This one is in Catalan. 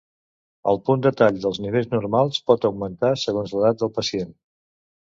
El punt de tall dels nivells normals pot augmentar segons l'edat del pacient.